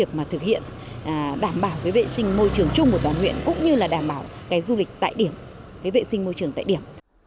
trong việc thực hiện đảm bảo vệ sinh môi trường chung một đoàn nguyện cũng như là đảm bảo du lịch tại điểm vệ sinh môi trường tại điểm